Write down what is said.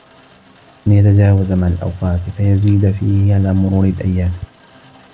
أَنْ يَتَجَاوَزَ مَعَ الْأَوْقَاتِ فَيَزِيدَ فِيهِ عَلَى مُرُورِ الْأَيَّامِ